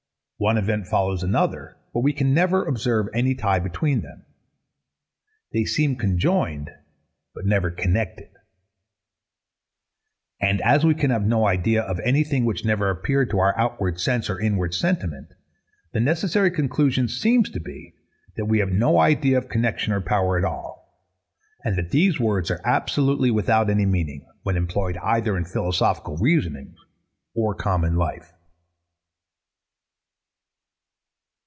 One event follows another; but we never can observe any tie between them. They seem conjoined, but never connected. And as we can have no idea of any thing which never appeared to our outward sense or inward sentiment, the necessary conclusion seems to be that we have no idea of connexion or power at all, and that these words are absolutely without any meaning, when employed either in philosophical reasonings or common life.